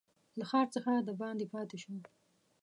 له ښار څخه دباندي پاته شو.